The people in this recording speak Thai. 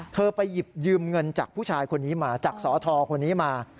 ไปหยิบยืมเงินจากผู้ชายคนนี้มาจากสทคนนี้มา